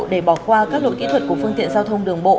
để bỏ qua các lỗi kỹ thuật của phương tiện giao thông đường bộ